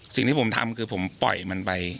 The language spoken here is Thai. สิ่งที่ผมทำคือผมปล่อยมันไป